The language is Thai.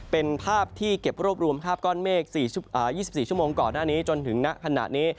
เป็นภาพที่เก็บรวบรวมภาพก้อนเมฆ๒๔ชั่วโมงก่อนหน้านี้จนถึงณขณะนี้